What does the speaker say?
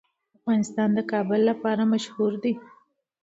افغانستان د کابل لپاره مشهور دی.